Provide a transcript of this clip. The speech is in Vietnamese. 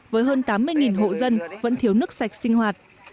với hơn tám mươi hộ dân vẫn thiếu nước sạch sinh hoạt